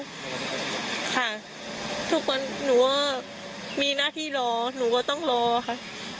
ค่ะทุกคนหนูก็มีหน้าที่รอหนูก็ต้องรอค่ะ